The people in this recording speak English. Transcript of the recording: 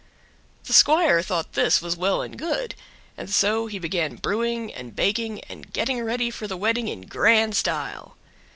The squire thought this was well and good, and so he began brewing and baking and getting ready for the wedding in grand style.